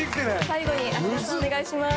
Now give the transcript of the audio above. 最後に芦田さんお願いします。